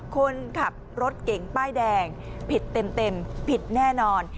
คนขับรถเก่งป้ายแดงผิดเต็มผิดแน่นอน